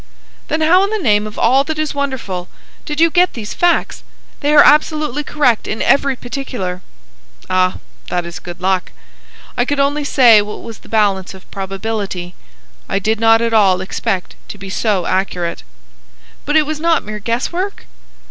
"Then how in the name of all that is wonderful did you get these facts? They are absolutely correct in every particular." "Ah, that is good luck. I could only say what was the balance of probability. I did not at all expect to be so accurate." "But it was not mere guess work?"